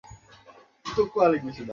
এটুকুই বলার ছিল।